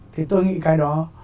thì tôi nghĩ cái đó